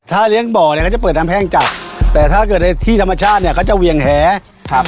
ถ้าเลี้ยงบ่อเนี้ยเขาจะเปิดน้ำแห้งกักแต่ถ้าเกิดในที่ธรรมชาติเนี่ยเขาจะเหวี่ยงแหครับ